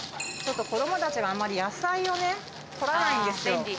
ちょっと子供たちがあんまり野菜をね取らないんですよ。